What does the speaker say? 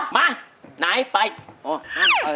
มาไหนไป